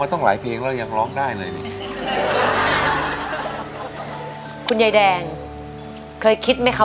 ตั้งหลายเพลงแล้วยังร้องได้เลยนี่คุณยายแดงเคยคิดไหมคะ